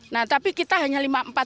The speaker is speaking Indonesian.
nah tapi kita hanya empat puluh delapan